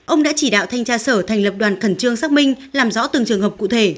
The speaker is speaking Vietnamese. ông đã chỉ đạo thanh tra sở thành lập đoàn khẩn trương xác minh làm rõ từng trường hợp cụ thể